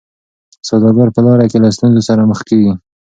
سوداګر په لاره کي له ستونزو سره مخ کیږي.